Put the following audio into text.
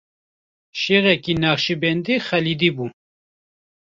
Şêxekî Neqşîbendî Xalidî bû.